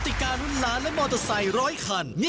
ติการุ้นล้านและมอเตอร์ไซค์๑๐๐คัน